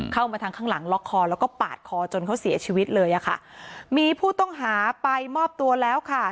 เข้ามาทางข้างหลังล็อกคอแล้วก็ปาดคอจนเขาเสียชีวิตเลยอ่ะค่ะมีผู้ต้องหาไปมอบตัวแล้วค่ะ